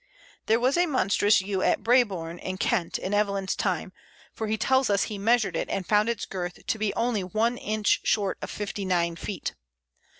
There was a monstrous Yew at Brabourne in Kent, in Evelyn's time, for he tells us he measured it, and found its girth to be only one inch short of fifty nine feet.